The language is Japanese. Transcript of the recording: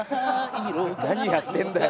何やってんだよ。